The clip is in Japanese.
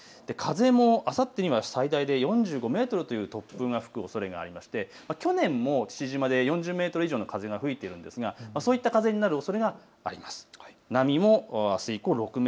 風もあさってには最大で４５メートルという突風が吹くおそれがありまして去年も父島で４０メートル以上の風が吹いていますがそういった風になるおそれがあります。